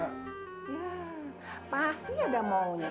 iya pasti ada maunya